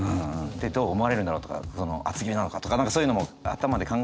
でどう思われるんだろうとか厚切りなのかとか何かそういうのも頭で考えるぐらい。